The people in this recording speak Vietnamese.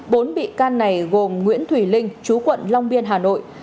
bốn bị can này gồm nguyễn thùy linh chú quận long biên hà nội